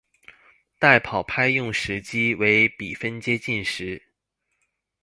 代跑派用时机为比分接近时。